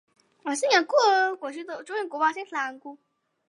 他们用了四天探索该区后才决定安顿下来。